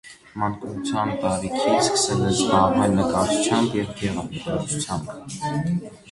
Մանկության տարիներից սկսել է զբաղվել նկարչությամբ ու գեղանկարչությամբ։